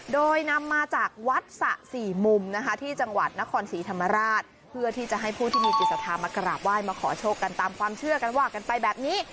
โดยนำมาจากวัดสะสี่มุมนะคะที่จังหวัดนครศรีธรรมราชเพื่อที่จะให้ผู้ที่มีจิตศรัทธามากราบไหว้มาขอโชคกันตามความเชื่อกันว่ากันไปแบบนี้